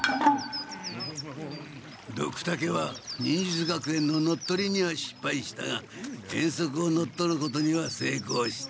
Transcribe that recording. ドクタケは忍術学園の乗っ取りにはしっぱいしたが遠足を乗っ取ることにはせいこうした！